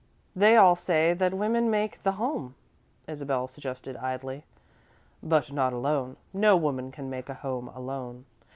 "They all say that woman makes the home," Isabel suggested, idly. "But not alone. No woman can make a home alone.